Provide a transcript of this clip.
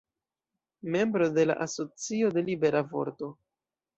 Membro de la Asocio de Libera Vorto.